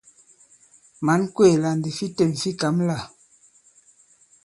Mǎn kwéè la fi têm ndi fi kǎm lâ ?